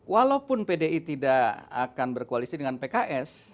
walaupun pdi tidak akan berkoalisi dengan pks